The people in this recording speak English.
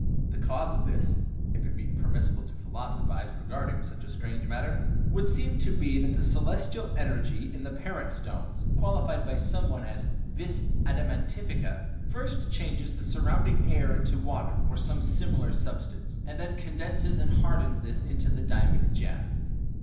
The cause of this (if it be permissible to philosophize regarding such a strange matter) would seem to be that the celestial energy in the parent stones, qualified by some one as "vis adamantifica," first changes the surrounding air into water, or some similar substance, and then condenses and hardens this into the diamond gem.